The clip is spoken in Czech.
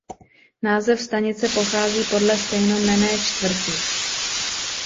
Název stanice pochází podle stejnojmenné čtvrti.